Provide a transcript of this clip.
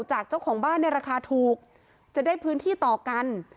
จากเจ้าของบ้านในราคาถูกจะได้พื้นที่ต่อกัน